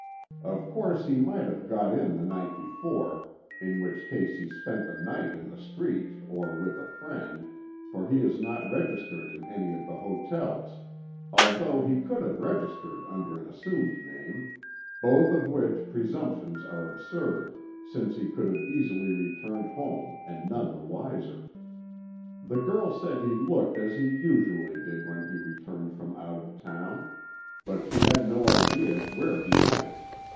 Of course he might have got in the night before, in which case he spent the night in the street or with a friend, for he is not registered at any of the hotels, although he could have registered under an assumed name, both of which presumptions are absurd, since he could have easily returned home and none the wiser. The girl said he looked as he usually did when he returned from out of town, but she had no idea where he went.